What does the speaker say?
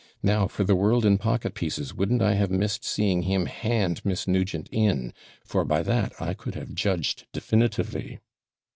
'Now, for the world in pocket pieces wouldn't I have missed seeing him hand Miss Nugent in; for by that I could have judged definitively.'